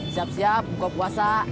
siap siap buka puasa